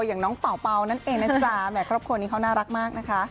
อย่างน้องเป่านั่นเองนะจ๊ะแห่ครอบครัวนี้เขาน่ารักมากนะคะ